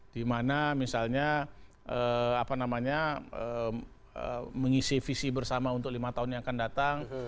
dimana misalnya mengisi visi bersama untuk lima tahun yang akan datang